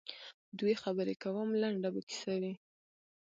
دوی خبري کوم لنډه به کیسه وي